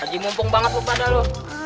lagi mumpung banget lu padah lo